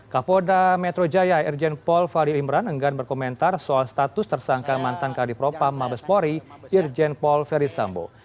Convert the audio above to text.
kapolda metro jaya ejen paul fadil imran enggan berkomentar soal status tersangka mantan kalipropa mabespori ejen paul ferdis sambo